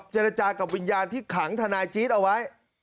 เจรจากับวิญญาณที่ขังทนายจี๊ดเอาไว้